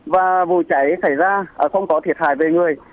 và vụ cháy xảy ra không có thiệt hại về người